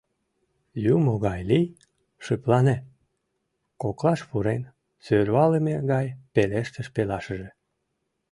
— Юмо гай лий, шыплане, — коклаш пурен, сӧрвалыме гай пелештыш пелашыже.